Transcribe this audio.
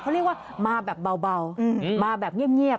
เขาเรียกว่ามาแบบเบามาแบบเงียบ